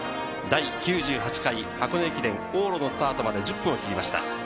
第９８回箱根駅伝往路のスタートまで１０分を切りました。